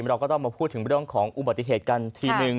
เราก็ต้องมาพูดถึงเรื่องของอุบัติเหตุกันทีนึง